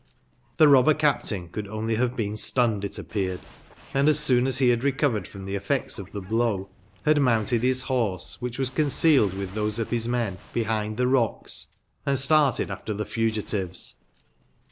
Tbe robbey captain could only bave been stunned, it appeared ,* and, as soon as be bad recovered from tbe effects of tbe blow, bad moui^ted bis borse, wbicb was concealed, witb tbose of bis men, bebi^d tbe rocks, and started after tbe fugitives.